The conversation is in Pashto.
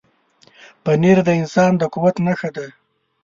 پنېر د انسان د قوت نښه ده.